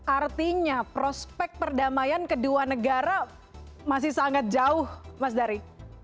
artinya prospek perdamaian kedua negara masih sangat jauh mas dari